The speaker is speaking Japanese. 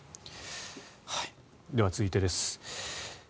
では、続いてです。